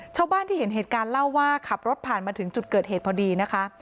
ชาวบ้านที่เห็นเหตุการณ์เล่าว่าขับรถผ่านมาถึงจุดเกิดเหตุพอดีนะคะ